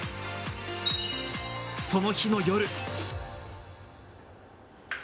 その日の夜。